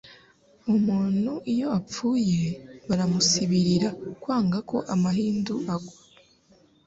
Umuntu iyo apfuye baramusibirira, kwanga ko amahindu agwa